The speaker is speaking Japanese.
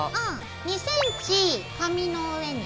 ２ｃｍ紙の上に。